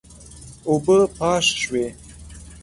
اوبه پاش شوې.